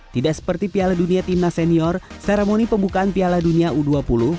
tidak seperti piala dunia timnas senior seremoni pembukaan piala dunia u dua puluh